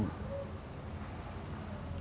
buntutnya pembeli jadi sepi